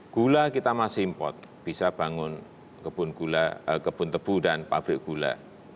gula kita masih import bisa bangun kebun tebu dan pabrik gula